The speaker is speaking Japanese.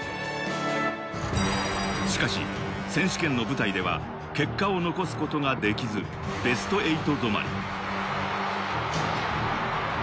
しかし選手権の舞台では結果を残すことができず、ベスト８止まり。